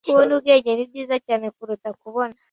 Kubona ubwenge ni byiza cyane kuruta kubona